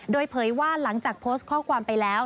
โดยเผยว่าหลังจากโพสต์ข้อความไปแล้ว